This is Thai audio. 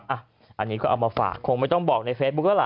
อันนี้ก็เอามาฝากคงไม่ต้องบอกในเฟซบุ๊คแล้วล่ะ